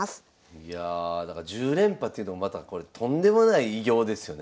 いやだから１０連覇っていうのもまたこれとんでもない偉業ですよね。